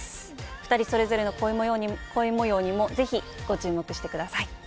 ２人それぞれの恋もようにもぜひご注目してください。